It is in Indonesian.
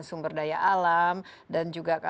sumber daya alam dan juga